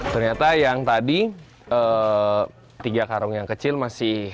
ternyata yang tadi tiga karung yang kecil masih